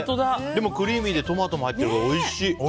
でも、クリーミーでトマトも入ってるからおいしい。